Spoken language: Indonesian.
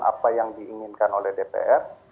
apa yang diinginkan oleh dpr